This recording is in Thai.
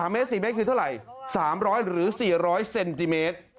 เมตร๔เมตรคือเท่าไหร่๓๐๐หรือ๔๐๐เซนติเมตร